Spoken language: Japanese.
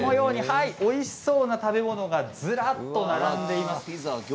おいしそうな食べ物がずらっと並んでいます。